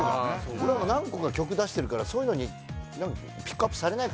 俺らも何個か曲出してるからそういうのにピックアップされないかなって思ってたんだよね。